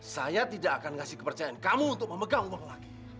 saya tidak akan ngasih kepercayaan kamu untuk memegang uang lagi